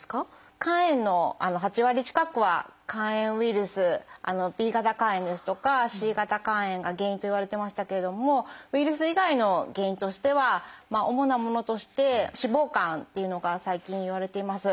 肝炎の８割近くは肝炎ウイルスＢ型肝炎ですとかＣ型肝炎が原因といわれてましたけれどもウイルス以外の原因としては主なものとして脂肪肝というのが最近いわれています。